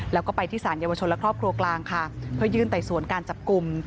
แล้วก็ไปที่สารเยาวชนและครอบครัวกลางค่ะเพื่อยื่นไต่สวนการจับกลุ่ม